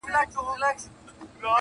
په سره ټاکنده غرمه کي؛